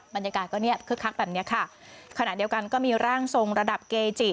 บรรยากาศก็เนี่ยคึกคักแบบเนี้ยค่ะขณะเดียวกันก็มีร่างทรงระดับเกจิ